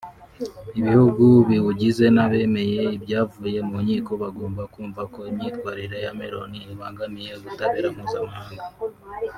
ibihugu biwugize n’abemeye ibyavuye mu nkiko bagomba kumva ko imyitwarire ya Meron ibangamiye ubutabera mpuzamahanga